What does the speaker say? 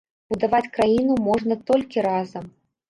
Будаваць краіну можна толькі разам.